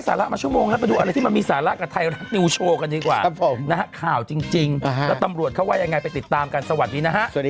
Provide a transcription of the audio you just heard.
ถามคำถามเข้าไปน้ำต้องเบอร์ด้วยหรอ